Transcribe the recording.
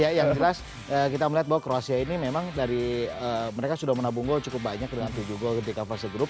ya yang jelas kita melihat bahwa kroasia ini memang dari mereka sudah menabung gol cukup banyak dengan tujuh gol ketika fase grup